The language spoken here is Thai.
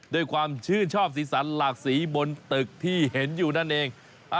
ด้วยความชื่นชอบสีสันหลากสีบนตึกที่เห็นอยู่นั่นเอง